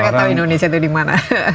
dan mereka tau indonesia itu dimana